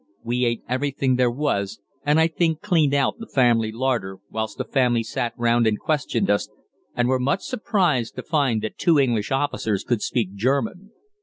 We ate everything there was, and I think cleaned out the family larder, whilst the family sat round and questioned us, and were much surprised to find that two English officers could speak German.